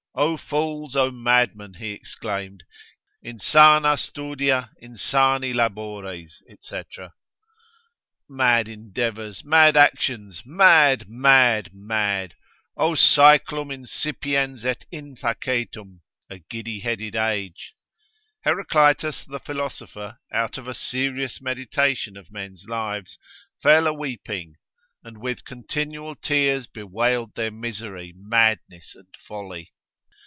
O fools, O madmen, he exclaims, insana studia, insani labores, &c. Mad endeavours, mad actions, mad, mad, mad, O saeclum insipiens et infacetum, a giddy headed age. Heraclitus the philosopher, out of a serious meditation of men's lives, fell a weeping, and with continual tears bewailed their misery, madness, and folly.